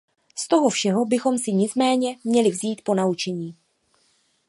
Z toho všeho bychom si nicméně měli vzít ponaučení.